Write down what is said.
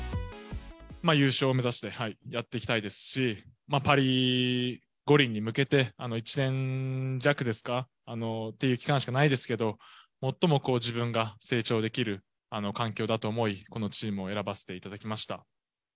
優勝目指してやっていきたいですし、パリ五輪に向けて、１年弱ですか、っていう期間しかないですけど、もっとも自分が成長できる環境だと思い、このチームを選ばせていただきました。